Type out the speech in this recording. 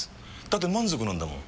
だって満足なんだもん。